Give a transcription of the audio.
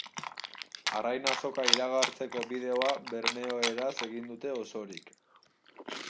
Arrain Azoka iragartzeko bideoa bermeoeraz egin dute osorik.